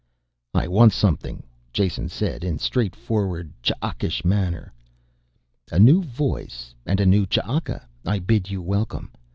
"I want something," Jason said, in straightforward, Ch'akaish manner. "A new voice and a new Ch'aka I bid you welcome.